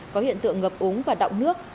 có hiện tượng ngập úng và đọng nước